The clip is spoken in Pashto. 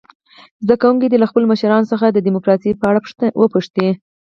زده کوونکي دې له خپلو مشرانو څخه د ډموکراسۍ په اړه وپوښتي.